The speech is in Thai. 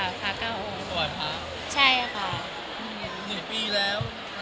ก็ผ่านไว้ได้ดีค่ะ